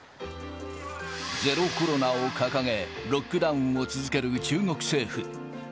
ゼロコロナを掲げ、ロックダウンを続ける中国政府。